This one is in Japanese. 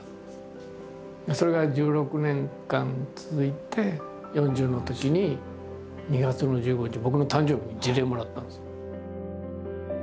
それが１６年間続いて４０のときに２月の１５日僕の誕生日に辞令をもらったんですよ。